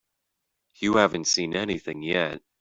You haven't seen anything yet.